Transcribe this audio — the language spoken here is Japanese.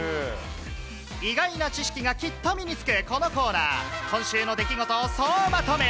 意外な知識がきっと身につくこのコーナー、今週の出来事を総まとめ。